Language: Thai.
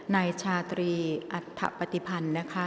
นายชาตรีอัฐปฏิพันธ์นะคะ